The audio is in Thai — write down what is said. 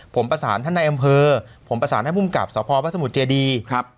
ผมประสานท่านในอำเภอผมประสานท่านผู้มกับสพสมุทรเจดี